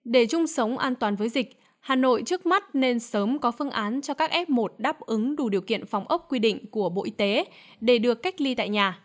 để chung sống an toàn với dịch hà nội trước mắt nên sớm có phương án cho các f một đáp ứng đủ điều kiện phòng ốc quy định của bộ y tế để được cách ly tại nhà